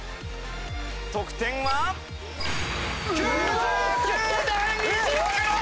得点は？９９．１６６！